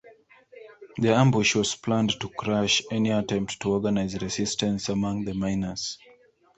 The ambush was planned to crush any attempt to organise resistance among the miners.